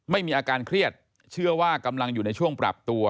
มีอาการเครียดเชื่อว่ากำลังอยู่ในช่วงปรับตัว